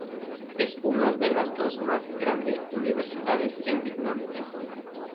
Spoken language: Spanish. Es una de las dos más grande universidades en Vietnam.